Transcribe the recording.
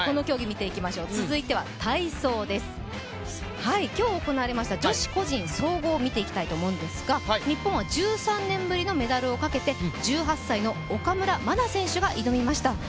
続いては体操です今日行われました、女子個人総合を見ていきたいと思うんですが日本は１３年ぶりのメダルをかけて１８歳の岡村真選手が挑みました。